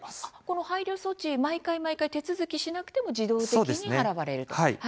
この配慮措置毎回毎回手続きしなくても自動的に払われると。